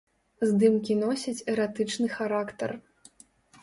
Здымкі носяць эратычны характар.